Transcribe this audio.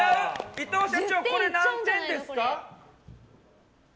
伊藤社長、これ何点ですか？